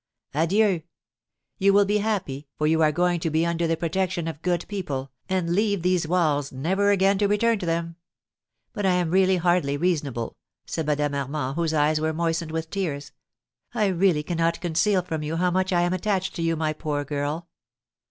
Adieu! You will be happy, for you are going to be under the protection of good people, and leave these walls, never again to return to them. But I am really hardly reasonable," said Madame Armand, whose eyes were moistened with tears. "I really cannot conceal from you how much I am attached to you, my poor girl!"